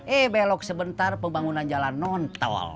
eh belok sebentar pembangunan jalan non tol